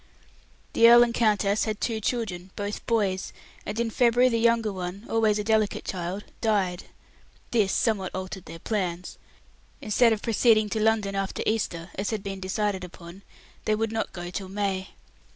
The earl and countess had two children, both boys, and in February the younger one, always a delicate child, died. This somewhat altered their plans. Instead of proceeding to London after Easter, as had been decided upon, they would not go till May.